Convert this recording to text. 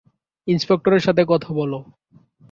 ইনস্পেক্টরের সাথে কথা বলো।